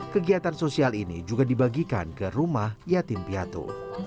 kegiatan sosial ini juga dibagikan ke rumah yatim piatu